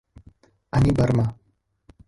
Ani Barma.